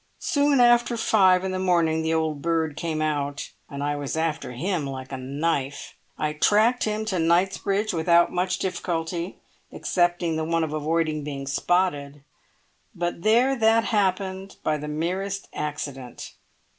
Soon after five in the morning the old bird came out, and I was after him like knife. I tracked him to Knightsbridge without much difficulty, excepting the one of avoiding being spotted, but there that happened by the merest accident.